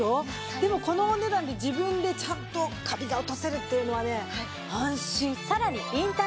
でもこのお値段で自分でちゃんとカビが落とせるっていうのはね安心。